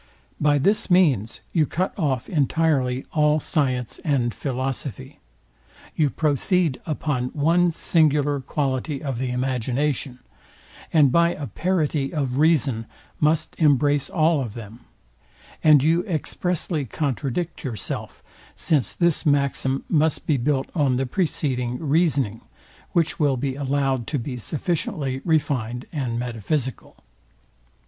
By this means you cut off entirely all science and philosophy: You proceed upon one singular quality of the imagination, and by a parity of reason must embrace all of them: And you expressly contradict yourself; since this maxim must be built on the preceding reasoning, which will be allowed to be sufficiently refined and metaphysical.